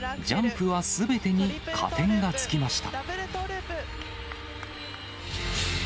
ジャンプはすべてに加点がつきました。